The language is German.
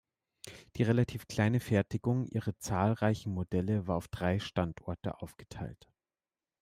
Die relativ kleine Fertigung ihrer zahlreichen Modelle war auf drei Standorte aufgeteilt.